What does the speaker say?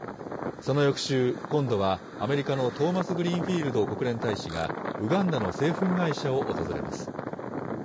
その翌週、今度はアメリカのトーマスグリーンフィールド国連大使が、ウガンダの製粉会社を訪れます。